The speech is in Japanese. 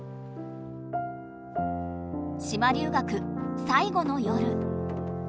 島留学最後の夜。